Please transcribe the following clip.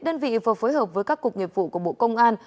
đơn vị vừa phối hợp với các cục nghiệp vụ của bộ công an